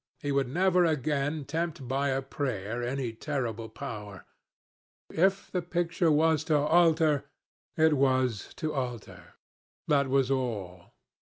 He would never again tempt by a prayer any terrible power. If the picture was to alter, it was to alter. That was all.